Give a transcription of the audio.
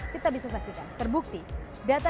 kita bisa saksikan terbukti data